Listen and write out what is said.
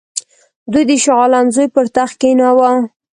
دوی د شاه عالم زوی پر تخت کښېناوه.